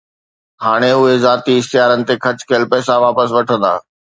هاڻي اهي ذاتي اشتهارن تي خرچ ڪيل پئسا واپس وٺندا